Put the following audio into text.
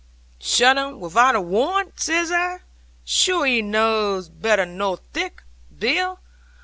'"Shutt 'un wi'out a warrant!" says I: "sure 'ee knaws better nor thic, Bill!